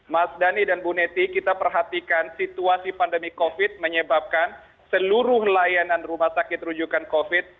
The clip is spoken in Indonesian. mas dhani dan bu neti kita perhatikan situasi pandemi covid menyebabkan seluruh layanan rumah sakit rujukan covid